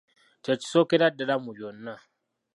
Kye kisookera ddala mu byonna.